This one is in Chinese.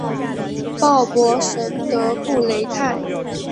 鲍博什德布雷泰。